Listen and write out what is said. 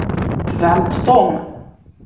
Tebɛemt Tom!